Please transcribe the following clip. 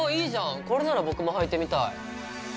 これなら僕も履いてみたい！